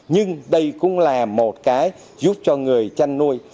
nhưng đây cũng là một cái giúp cho người chăn nuôi